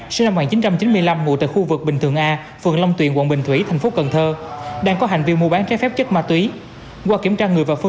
sinh năm một nghìn chín trăm chín mươi năm ngụ tại khu vực bình thường a phường long tuyền quận bình thủy thành phố cần thơ